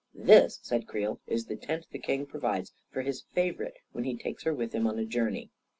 " "This," said Creel, "is the tent the king pro vides for his favorite when he takes her with him on a journey."